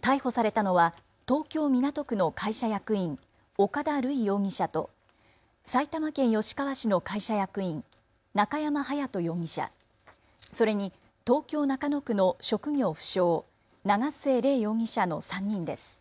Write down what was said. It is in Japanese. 逮捕されたのは東京港区の会社役員、岡田塁容疑者と埼玉県吉川市の会社役員、中山勇人容疑者、それに東京中野区の職業不詳、長末嶺容疑者の３人です。